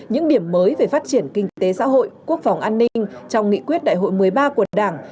những điểm mới về phát triển kinh tế xã hội quốc phòng an ninh trong nghị quyết đại hội một mươi ba của đảng